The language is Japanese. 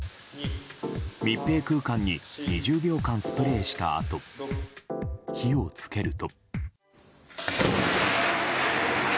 密閉空間に２０秒間、スプレーしたあと火をつけると。